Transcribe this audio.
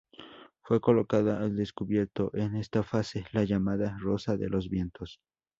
Fue colocada al descubierto, en esta fase, la llamada "Rosa de los vientos".